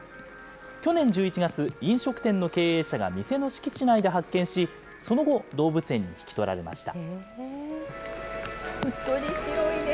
去年１１月、飲食店の経営者が店の敷地内で発見し、その後、動物園に引き取られました。